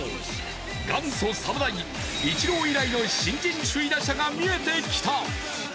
元祖侍、イチロー以来の新人首位打者が見えてきた。